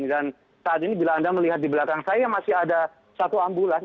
dan saat ini bila anda melihat di belakang saya masih ada satu ambulans